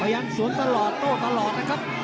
ยังสวนตลอดโต้ตลอดนะครับ